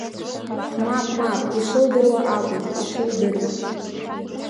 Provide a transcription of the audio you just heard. Мап, мап, ишылдыруа акәыз, ишылдыруа…